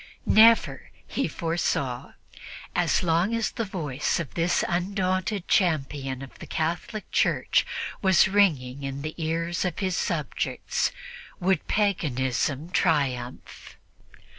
Never, he foresaw, as long as the voice of this undaunted champion of the Catholic Church was ringing in the ears of his subjects, would paganism triumph.